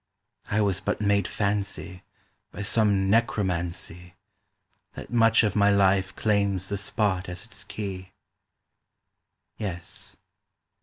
I was but made fancy By some necromancy That much of my life claims the spot as its key. Yes.